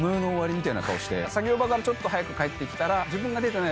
作業場からちょっと早く帰ってきたら自分が出てない